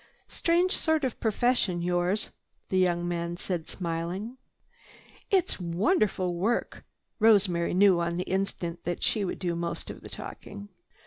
"Strange sort of profession, yours," the young man said, smiling. "It's wonderful work!" Rosemary knew on the instant that she would do most of the talking.